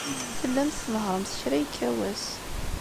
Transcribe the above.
Tellamt tnehhṛemt kra yekka wass.